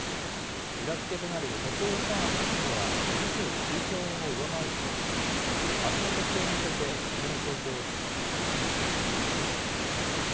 裏付けとなる補正予算案の規模は２９兆円を上回る見通しで、あすの決定に向けて詰めの調整を進めています。